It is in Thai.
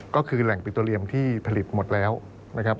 ก็คือแหล่งปิโตเรียมที่ผลิตหมดแล้วนะครับ